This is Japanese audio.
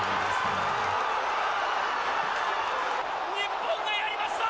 日本がやりました。